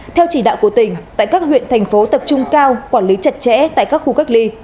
theo chỉ đạo của tỉnh tại các huyện thành phố tập trung cao quản lý chặt chẽ tại các khu cách ly